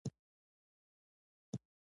ګولایي دوه مستقیم خطونه سره نښلوي